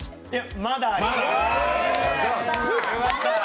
まだあります。